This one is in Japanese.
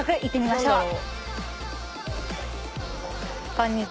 こんにちは。